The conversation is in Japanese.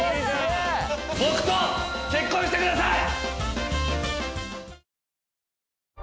僕と結婚してください！